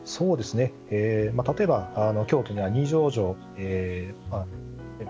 例えば、京都には二条城。